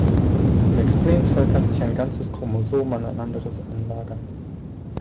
Im Extremfall kann sich ein ganzes Chromosom an ein anderes anlagern.